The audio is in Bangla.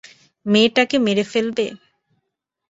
মেয়েটাকে মেরে ফেলবে?